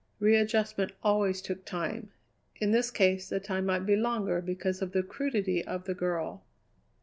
Readjustment always took time. In this case the time might be longer because of the crudity of the girl.